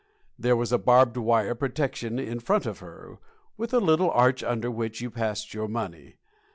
There was a barbed wire protection in front of her, with a little arch under which you passed your money.